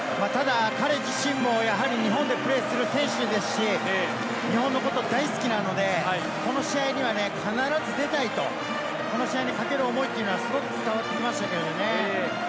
ただ彼自身も、日本でプレーする選手ですし、日本のことが大好きなので、この試合には必ず出たい、この試合に懸ける思いはすごく伝わってきましたけれどもね。